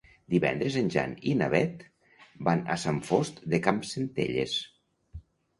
Divendres en Jan i na Beth van a Sant Fost de Campsentelles.